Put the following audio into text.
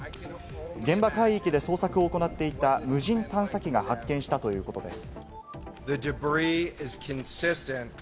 現場海域で捜索を行っていた無人探査機が発見したということです。